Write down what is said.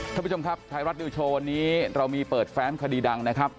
ท่านผู้ชมครับไทยรัฐนิวโชว์วันนี้เรามีเปิดแฟ้มคดีดังนะครับ